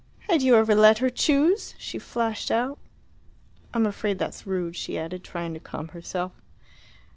"Had you ever let her choose?" she flashed out. "I'm afraid that's rude," she added, trying to calm herself.